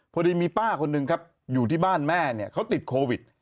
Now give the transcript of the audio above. พอดีมีป้าคนหนึ่งครับอยู่ที่บ้านแม่เนี่ยเขาติดโควิด